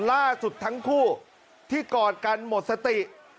ล่าสุดทั้งคู่ที่กอดกันหมดสติ